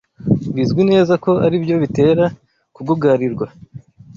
bizwi neza ko ari byo bitera kugugarirwa.